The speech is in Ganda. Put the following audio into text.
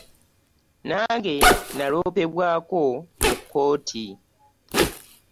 Nange naloopebwako mu kkooti.